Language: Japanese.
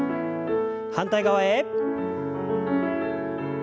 反対側へ。